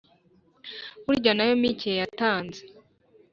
burya nayo mike yatanze.